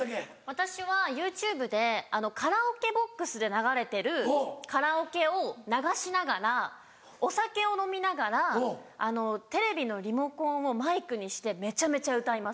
私はＹｏｕＴｕｂｅでカラオケボックスで流れてるカラオケを流しながらお酒を飲みながらテレビのリモコンをマイクにしてめちゃめちゃ歌います。